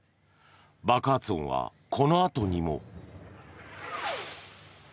爆発音はこのあとにも。